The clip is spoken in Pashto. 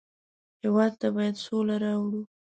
هېواد ته باید سوله راوړو